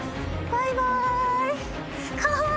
バイバイ。